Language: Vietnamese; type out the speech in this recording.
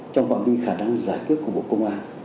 trong phạm vi khả năng giải quyết của bộ công an